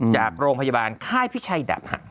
จากโรงพยาบาลค่ายพิชัยดับหัก